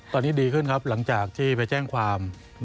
ตอนนี้ดีขึ้นครับหลังจากที่ไปแจ้งความ